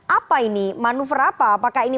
apa ini manuver apa apakah ini